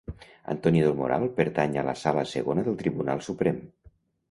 Antonio del Moral pertany a la Sala Segona del Tribunal Suprem.